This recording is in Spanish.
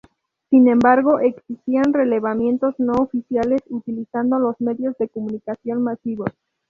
Sin embargo, existían relevamientos no oficiales, utilizando los medios de comunicación masivos.